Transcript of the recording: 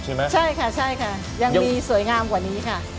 ใช่ค่ะยังมีสวยงามกว่านี้ค่ะ